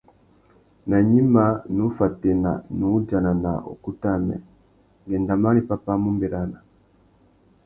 Nà gnïmá, nnú fatēna, nnú udjana na ukutu amê: ngu endamú ari pápá a mú bérana.